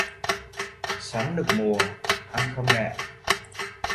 Sắn được mùa, ăn không ngạ